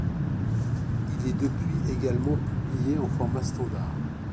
Il est depuis également publié en format standard.